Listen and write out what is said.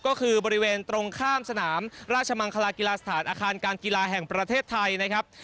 ก็คือบริเวณตรงข้ามสนามราชมังคลากีฬาสถานอาคารการกีฬาแห่งประเทศไทยนะครับ